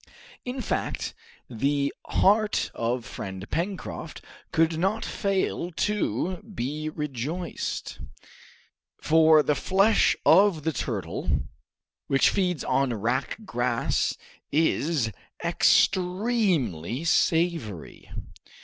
In fact, the heart of friend Pencroft could not fail to be rejoiced, for the flesh of the turtle, which feeds on wrack grass, is extremely savory.